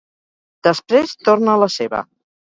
Després torna a la seva.